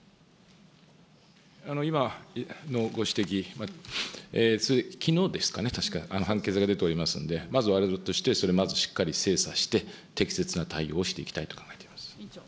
今のご指摘、きのうですかね、確か、判決が出ておりますんで、まずわれわれとして、それまずしっかり精査して、適切な対応をしていきたいと考えております。